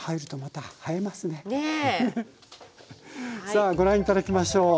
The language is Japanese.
さあご覧頂きましょう。